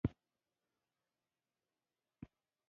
پیاله د ژړا شېبې زغمي.